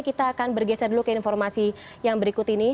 kita akan bergeser dulu ke informasi yang berikut ini